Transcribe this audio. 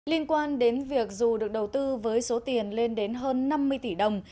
liên quan đến việc dù được đầu tư với số tiền lên đến hơn năm mươi tỷ đồng